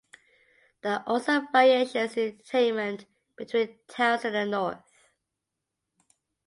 There are also variations in attainment between towns in the north.